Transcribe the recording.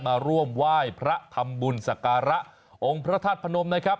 มาร่วมไหว้พระทำบุญสักการะองค์พระธาตุพนมนะครับ